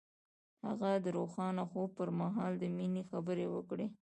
هغه د روښانه خوب پر مهال د مینې خبرې وکړې.